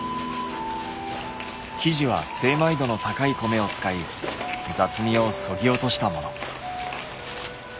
生地は精米度の高い米を使い雑味をそぎ落としたもの。